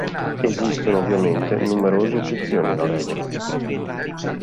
Esistono ovviamente numerose eccezioni alla regola.